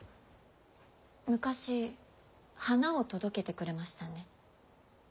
昔花を届けてくれましたね。